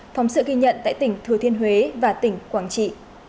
phóng sự ghi nhận tại tỉnh thừa thiên huế và tỉnh quảng trị